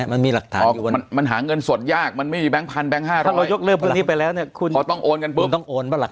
มันหาเงินสดยากมันไม่มีแบงก์๑๐๐๐หรอก